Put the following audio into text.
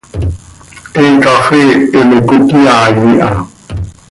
He cafee heme cocyaai ha.